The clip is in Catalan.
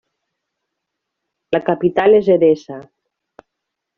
La capital és Edessa.